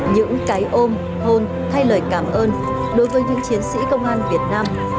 những cái ôm hôn thay lời cảm ơn đối với những chiến sĩ công an việt nam